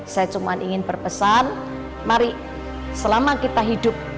saya cuma ingin berpesan mari selama kita hidup